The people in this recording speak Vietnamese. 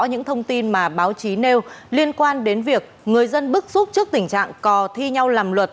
những thông tin mà báo chí nêu liên quan đến việc người dân bức xúc trước tình trạng cò thi nhau làm luật